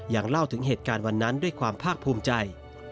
เล่าถึงเหตุการณ์วันนั้นด้วยความภาคภูมิใจ